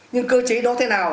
nhưng cơ chế đó thế nào